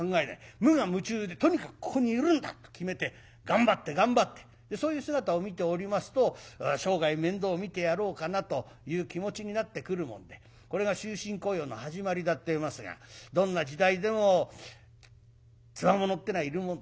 無我夢中でとにかくここにいるんだと決めて頑張って頑張ってそういう姿を見ておりますと生涯面倒を見てやろうかなという気持ちになってくるもんでこれが終身雇用の始まりだといいますがどんな時代でもつわものってのはいるもんです。